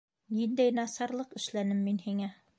Ниндәй насарлыҡ эшләнем мин һиңә?